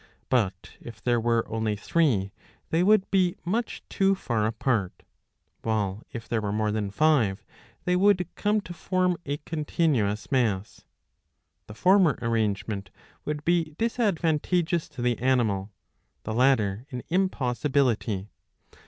But if there were only three, they would be much too far apart ; while if there were more than five, they would come to form a continuous mass. The former arrangement would be disadvantageous to the animal, the latter an impossibility.